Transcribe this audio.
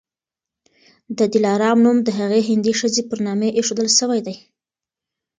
د دلارام نوم د هغي هندۍ ښځي پر نامي ایښودل سوی دی.